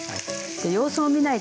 様子を見ないと。